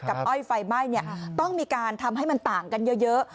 กับอ้อยไฟไหม้เนี่ยต้องมีการทำให้มันต่างกันเยอะเยอะ